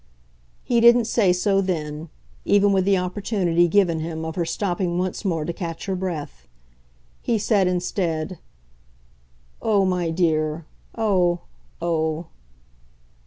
He didn't say so then even with the opportunity given him of her stopping once more to catch her breath. He said instead: "Oh, my dear oh, oh!"